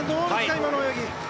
今の泳ぎ。